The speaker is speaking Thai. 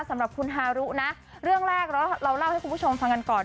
สำหรับคุณฮารุนะเรื่องแรกเราเล่าให้คุณผู้ชมฟังกันก่อน